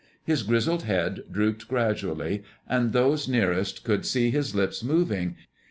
His grizzled head drooped gradually, and those nearest could see his lips moving.